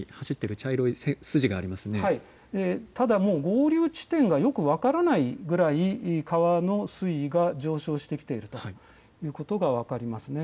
ただ合流地点がもう分からないぐらい、川の水位が上昇してきているということが分かりますね。